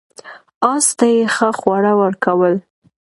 اس ته یې ښه خواړه ورکول.